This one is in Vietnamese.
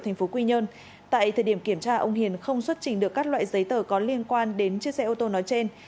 thành phố quy nhơn tại thời điểm kiểm tra ông hiền không xuất trình được các loại giấy tờ có liên quan đến chiếc xe ô tô nói trên